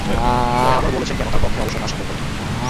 পরে আবারও বলেছেন কেন তাঁর পক্ষে অবসর নেওয়া সম্ভব হলো না।